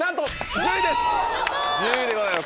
１０位でございます